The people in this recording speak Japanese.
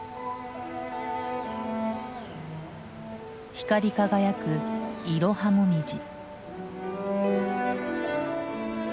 光り輝くイロハモミジ。